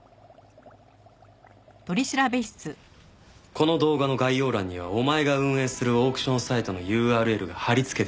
この動画の概要欄にはお前が運営するオークションサイトのＵＲＬが貼り付けてあった。